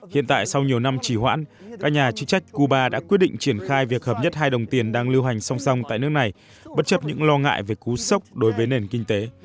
hiện tại sau nhiều năm chỉ hoãn các nhà chức trách cuba đã quyết định triển khai việc hợp nhất hai đồng tiền đang lưu hành song song tại nước này bất chấp những lo ngại về cú sốc đối với nền kinh tế